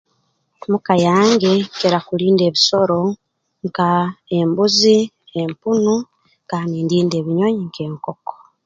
Mu ka yange nkira kulinda ebisoro nka embuzi empunu kandi ndinda ebinyonyi nk'enkoko